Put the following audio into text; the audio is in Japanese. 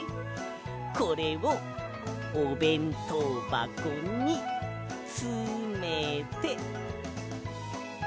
これをおべんとうばこにつめて。